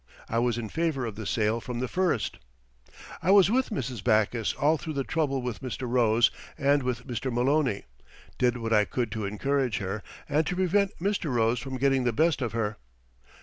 I was in favour of the sale from the first. I was with Mrs. Backus all through the trouble with Mr. Rose and with Mr. Maloney, did what I could to encourage her, and to prevent Mr. Rose from getting the best of her.